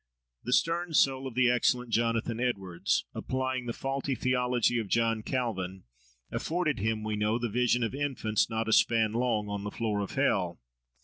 The stern soul of the excellent Jonathan Edwards, applying the faulty theology of John Calvin, afforded him, we know, the vision of infants not a span long, on the floor of hell.